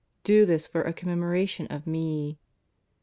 Do this for a commemoration of Me."